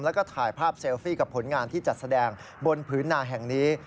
แล้วก็ถ่ายภาพเซลฟี่กับผลงานที่จัดแสดงบนผืนนาแห่งนี้